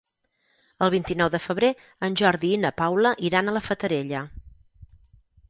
El vint-i-nou de febrer en Jordi i na Paula iran a la Fatarella.